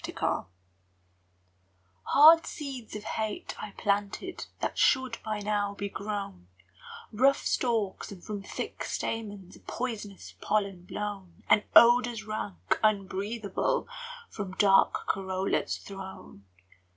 Blight Hard seeds of hate I planted That should by now be grown, Rough stalks, and from thick stamens A poisonous pollen blown, And odours rank, unbreathable, From dark corollas thrown!